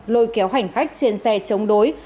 lôi kéo hành khách trên xe chống đối